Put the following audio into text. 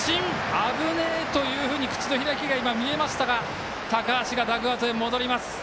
「危ねえ」という口の開きが見えましたが高橋がダグアウトに戻ります。